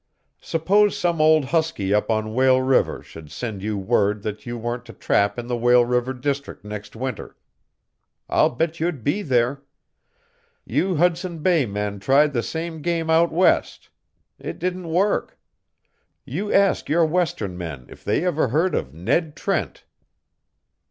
Suppose some old Husky up on Whale River should send you word that you weren't to trap in the Whale River district next winter. I'll bet you'd be there. You Hudson Bay men tried the same game out west. It didn't work. You ask your western men if they ever heard of Ned Trent."